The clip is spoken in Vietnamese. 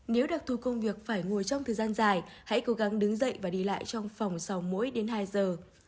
nếu đặc thù công việc phải ngồi trong thời gian dài hãy cố gắng đứng dậy và đi lại trong phòng sau mỗi đến hai giờ